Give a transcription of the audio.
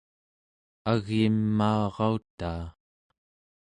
agyimaarautaa